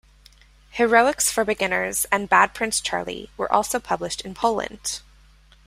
"Heroics for Beginners" and "Bad Prince Charlie" were also published in Poland.